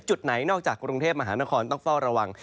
จุดไหนนอกจากกรุงเทพมหานครต้องเฝ้าระวัง